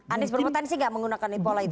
anies berpotensi nggak menggunakan pola itu